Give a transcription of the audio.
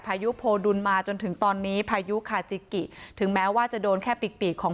พายุโพดุลมาจนถึงตอนนี้พายุคาจิกิถึงแม้ว่าจะโดนแค่ปีกของ